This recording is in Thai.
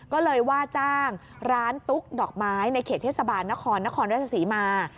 ก็เลยว่าจ้างร้านตุ๊กดอกไม้ในเขตเทศบาลนครนครราชศรีมา